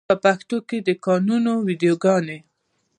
په پښتو کې د کاټون ویډیوګانې